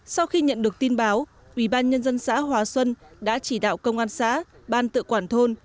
sau khi nhận được tin báo ủy ban nhân dân xã hòa xuân đã chỉ đạo công an xã ban tự quản thôn